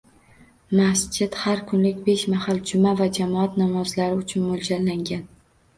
Masjid har kunlik besh mahal, juma va jamoat namozlari uchun mo‘ljallangan